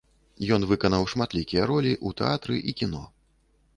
Ён выканаў шматлікія ролі ў тэатры і кіно.